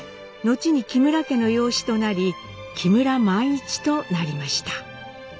後に木村家の養子となり木村萬一となりました。